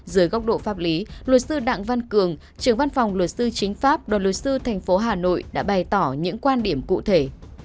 dưới góc độ pháp lý luật sư đặng văn cường trưởng văn phòng luật sư chính pháp đoàn luật sư thành phố hà nội đã bày tỏ những quan điểm cụ thể